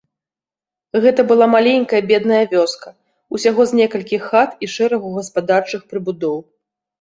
Гэта была маленькая бедная вёска, усяго з некалькіх хат і шэрагу гаспадарчых прыбудоў.